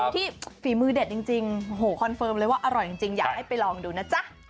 ฝีมือเด็ดจริงโหคอนเฟิร์มเลยว่าอร่อยจริงอยากให้ไปลองดูนะจ๊ะ